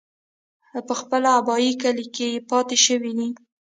پۀ خپل ابائي کلي کښې پاتې شوے دے ۔